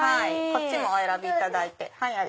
こっちもお選びいただいて。